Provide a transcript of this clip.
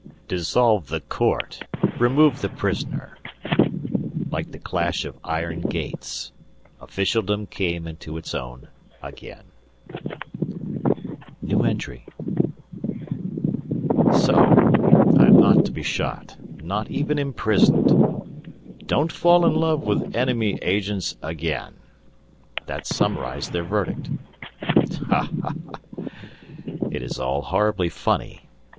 "Dissolve the Court. Remove the prisoner." Like the clash of iron gates, officialdom came into its own again. So I am not to be shot! Not even imprisoned! "Don't fall in love with enemy agents again!" that summarized their verdict. Ha! Ha! Ha! It is all horribly funny.